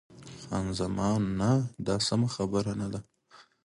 خان زمان: نه، دا سمه خبره نه ده.